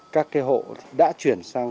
các hộ đã chuyển sang